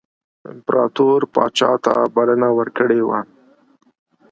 امپراطور پاچا ته بلنه ورکړې وه.